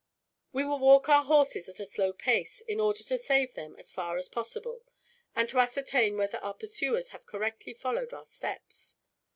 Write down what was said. "We will walk our horses at a slow pace, in order to save them, as far as possible; and to ascertain whether our pursuers have correctly followed our steps.